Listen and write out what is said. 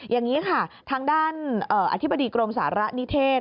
อย่างนี้ค่ะทางด้านอธิบดีกรมสาระนิเทศ